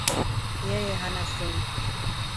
Yeye hana simu